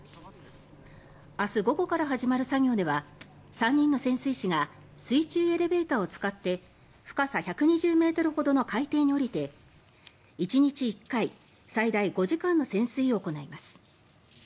明日午後から始まる作業では３人の潜水士が水中エレベーターを使って深さ１２０ｍほどの海底に降りて１日１回最大５時間の潜水を行います。